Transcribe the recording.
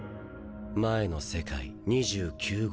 前の世界２９号